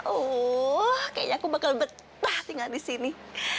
oh kayaknya aku bakal betah tinggal di sini